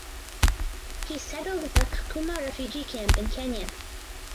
He settled at the Kakuma Refugee Camp in Kenya.